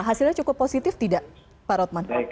hasilnya cukup positif tidak pak rotman